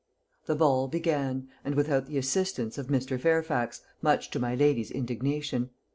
The ball began, and without the assistance of Mr. Fairfax much to my lady's indignation.